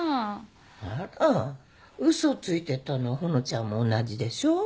あら嘘ついてたのはほのちゃんも同じでしょ？